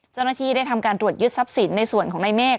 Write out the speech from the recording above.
เจ้าหน้าที่ได้ทำการตรวจยึดทรัพย์สินในส่วนของนายเมฆ